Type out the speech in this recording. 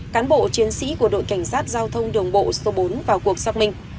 cán bộ chiến sĩ của đội cảnh sát giao thông đường bộ số bốn vào cuộc xác minh